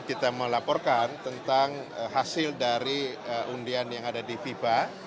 dan kita melaporkan tentang hasil dari undian yang ada di fifa